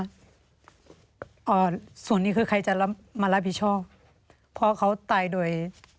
ส่วนนี้คือใครจะมารับผิดชอบเพราะเขาตายโดย